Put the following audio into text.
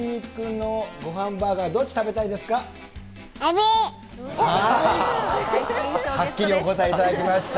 はっきりお答えいただきました。